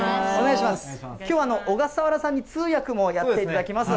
きょうは小笠原さんに通訳もやっていただきます。